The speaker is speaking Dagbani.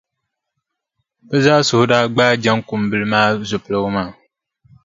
Bɛ zaa suhu daa gbaai Jaŋkumbila maa zupiligu maa.